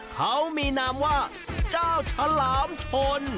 เขามีนามว่าเจ้าฉลามชน